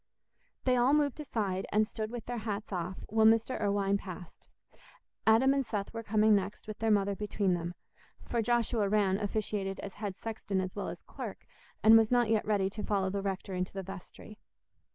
They all moved aside, and stood with their hats off, while Mr. Irwine passed. Adam and Seth were coming next, with their mother between them; for Joshua Rann officiated as head sexton as well as clerk, and was not yet ready to follow the rector into the vestry.